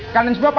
kalian semua paham